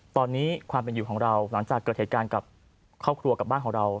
ตอนนี้ความเป็นอยู่ของเราหลังจากเกิดเหตุการณ์กับครอบครัวกับบ้านของเรา